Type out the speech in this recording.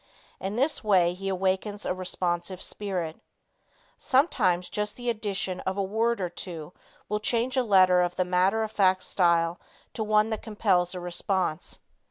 In this way he awakens a responsive spirit. Sometimes just the addition of a word or two will change a letter of the matter of fact style to one that compels a response.